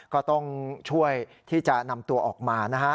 ก็ต้องช่วยที่จะนำตัวออกมานะฮะ